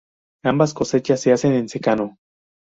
Ambas cosechas se hacen en secano.